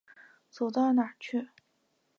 走到哪儿去。